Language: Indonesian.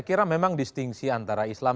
ya saya kira memang distingsi antara islam dan islam